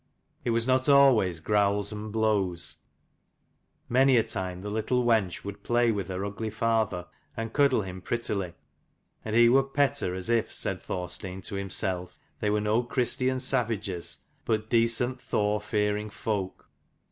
It was not always growls and blows : many a time the little wench would play with her ugly father, and cuddle him prettily, and he would pet her as if, said Thorstein to himself, they were no Christian savages, but decent Thor fearing folk.